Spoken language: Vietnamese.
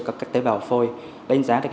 các tế bào phôi đánh giá được